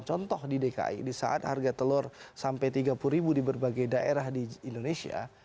contoh di dki di saat harga telur sampai tiga puluh ribu di berbagai daerah di indonesia